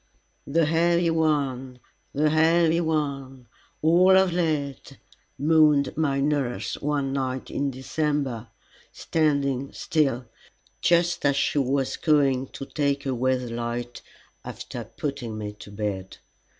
"The heavy one, the heavy one all of lead," moaned my nurse, one night in December, standing still, just as she was going to take away the light after putting me to bed.